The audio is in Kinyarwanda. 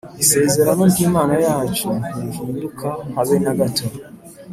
Isezerano ry'Imana yacu, Ntirihinduka habe na gato.